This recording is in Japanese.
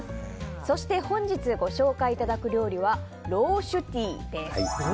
そして本日ご紹介いただく料理はローシュティです。